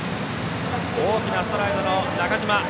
大きなストライドの中島。